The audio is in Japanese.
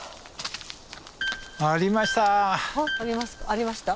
ありました？